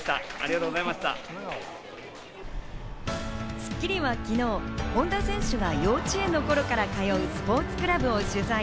『スッキリ』は昨日、本多選手が幼稚園の頃から通うスポーツクラブを取材。